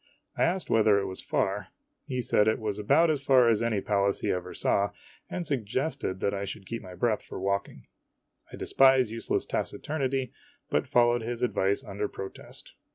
I asked whether it was far. He said it was about as far as any place he ever saw, and suggested that I should keep my breath for walking. I despise useless taciturnity, but fol lowed his advice under protest.